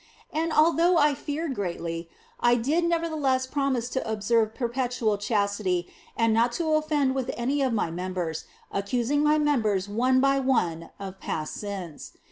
And although I feared greatly, I did nevertheless promise to observe perpetual chastity and not to offend with any of my members, accusing my members one by one of past sins.